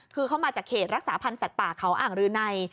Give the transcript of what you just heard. คือเขามาจากเขตรักษาพันธ์สัตว์ป่าเขาอ่างรืนัย